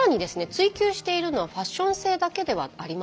追求しているのはファッション性だけではありません。